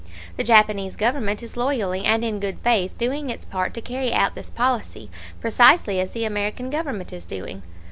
The Japanese Government is loyally and in good faith doing its part to carry out this policy, precisely as the American Government is doing.